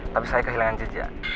tapi saya kehilangan jejak